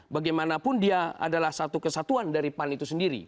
bagaimanapun dia adalah satu kesatuan dari pan itu sendiri